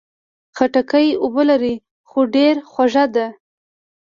خټکی اوبه لري، خو ډېر خوږه ده.